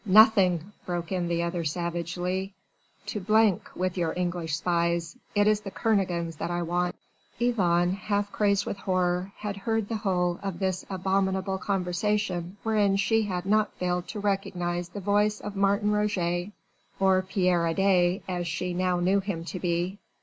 "Nothing!" broke in the other savagely. "To h ll with your English spies. It is the Kernogans that I want." Yvonne, half crazed with horror, had heard the whole of this abominable conversation wherein she had not failed to recognise the voice of Martin Roget or Pierre Adet, as she now knew him to be.